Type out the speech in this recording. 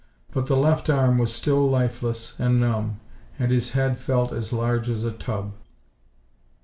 But the left arm was still lifeless and numb, and his head felt as large as a tub.